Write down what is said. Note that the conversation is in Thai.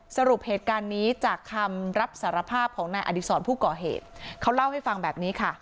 สรุปเหตุการณ์นี้จากคำรับสารภาพของนายอดีศรผู้ก่อเหตุเขาเล่าให้ฟังแบบนี้ค่ะ